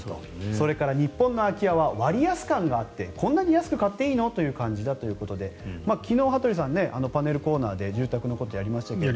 それから日本の空き家は割安感があってこんなに安く買っていいの？という感じだそうで昨日、羽鳥さんパネルコーナーで住宅のことをやりました。